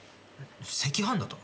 赤飯だと？